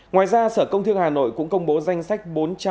ngoài ra sở công thương hà nội cũng công bố danh sách